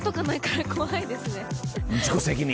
自己責任！